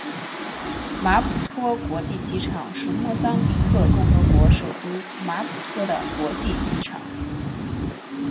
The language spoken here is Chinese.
马普托国际机场是莫桑比克共和国首都马普托的国际机场。